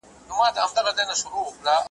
زه د رباب زه د شهباز په ژبه نظم لیکم ,